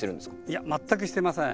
いや全くしてません。